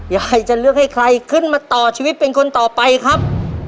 ยายจะเลือกให้ใครขึ้นมาต่อชีวิตเป็นคนต่อไปครับ